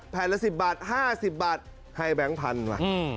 แผ่นละ๑๐บาท๕๐บาทให้แบงค์พันมา